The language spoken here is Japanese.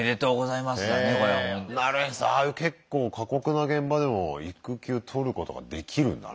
なるへそああいう結構過酷な現場でも育休取ることができるんだね。